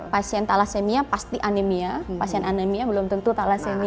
pasien thalassemia pasti anemia pasien anemia belum tentu thalassemia